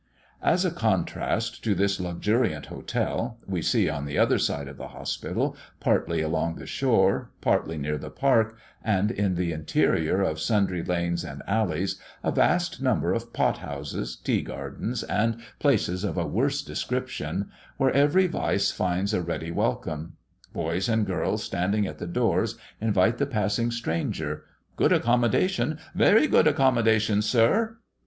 As a contrast to this luxuriant hotel, we see, on the other side of the hospital, partly along the shore, partly near the park, and in the interior of sundry lanes and alleys a vast number of pot houses, tea gardens, and places of a worse description, where every vice finds a ready welcome. Boys and girls standing at the doors, invite the passing stranger. "Good accommodation. Very good accommodation, sir."